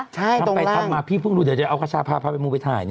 ใช่ตรงล่างทำมาพี่เพิ่งดูเดี๋ยวจะเอากระจาภาพาไปมูไปถ่าย